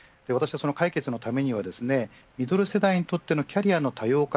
解決のためにはミドル世代にとってのキャリアの多様化。